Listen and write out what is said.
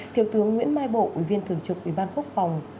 thiểu tướng nguyễn mai bộ ủy viên thường trực ủy ban phúc phòng